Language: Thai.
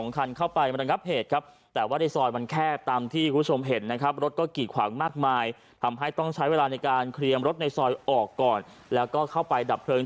เคลียมรถในซอยออกก่อนแล้วก็เข้าไปดับเพลิง